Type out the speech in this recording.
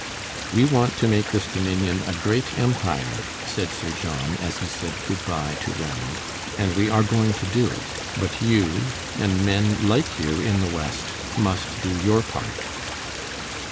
"We want to make this Dominion a great empire," said Sir John, as he said good by to Ranald, "and we are going to do it, but you and men like you in the West must do your part."